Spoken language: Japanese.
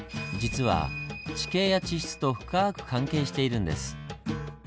実は地形や地質と深く関係しているんです。